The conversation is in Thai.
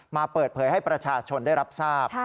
มาเปิดเผยให้ประชาชนได้รับทราบ